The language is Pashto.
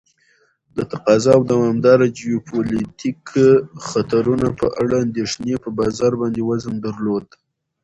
د تقاضا او دوامداره جیوپولیتیک خطرونو په اړه اندیښنې په بازار باندې وزن درلود.